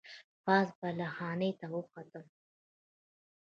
پاس بالا خانې ته وخوته.